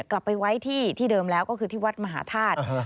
กลับไปไว้ที่เดิมแล้วก็คือที่วัดมหาธาตุ